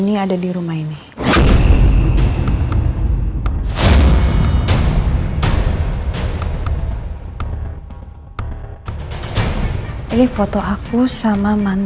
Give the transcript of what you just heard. kalau mas al itu kakaknya mas roy